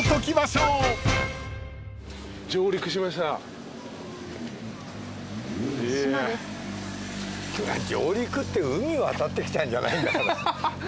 「上陸」って海渡ってきたんじゃないんだから。